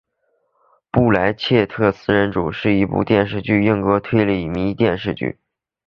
布莱切利四人组是一部电视英国推理迷你电视剧。